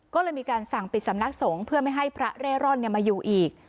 ก็เลยมีการสั่งปิดสำนักสงฆ์เพื่อไม่ให้พระเร่ร่อนมาอยู่อีก